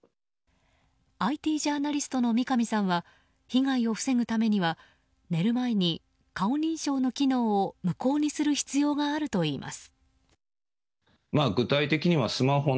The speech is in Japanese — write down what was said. ＩＴジャーナリストの三上さんは被害を防ぐためには寝る前に顔認証の機能を無効にする必要があるといいます。